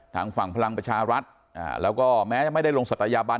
ทางฝั่งพลังประชารัฐแล้วก็แม้จะไม่ได้ลงศัตยาบัน